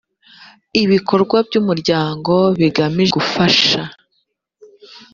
ibikorwa by’umuryango bigamije gufasha